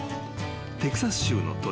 ［テキサス州の都市